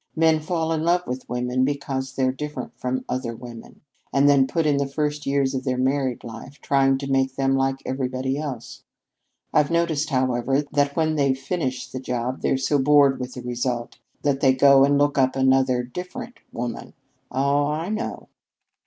Men fall in love with women because they're different from other women, and then put in the first years of their married life trying to make them like everybody else. I've noticed, however, that when they've finished the job, they're so bored with the result that they go and look up another 'different' woman. Oh, I know!"